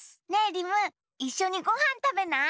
リムいっしょにごはんたべない？